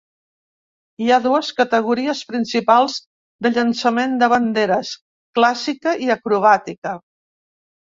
Hi ha dues categories principals de llançament de banderes: clàssica i acrobàtica.